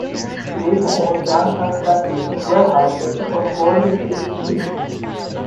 He later owned downtown factories and warehouses on Gold and Cliff Streets.